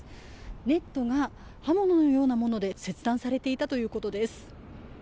ネットが刃物のようなもので切断されていたということです。